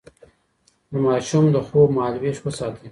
د ماشوم د خوب مهالويش وساتئ.